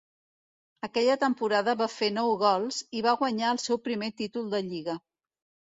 Aquella temporada va fer nou gols i va guanyar el seu primer títol de lliga.